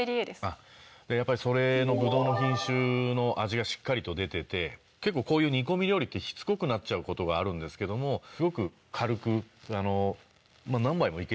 やっぱりそれのブドウの品種の味がしっかりと出てて結構こういう煮込み料理ってしつこくなっちゃうことがあるんですけどもすごく軽く。